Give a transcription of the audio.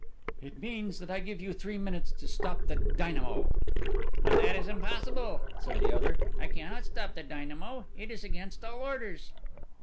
"It means that I give you three minutes to stop the dynamo." "But that is impossible," said the other. "I cannot stop the dynamo; it is against all orders."